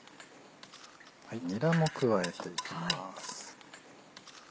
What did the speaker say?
にらも加えていきます。